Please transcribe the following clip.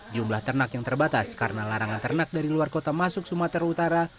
jumlah ternak yang terbatas karena larangan ternak dari luar kota masuk sumatera utara